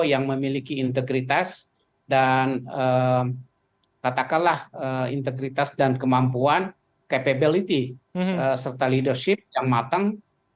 yang memiliki integritas dan kemampuan capability serta leadership yang matang